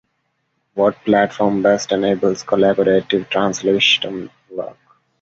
What platform best enables collaborative translation work?